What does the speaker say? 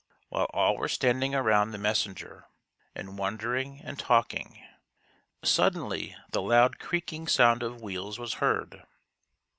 While all were standing around the messenger and wondering and talking, suddenly the loud creaking sound of 'wheels was heard.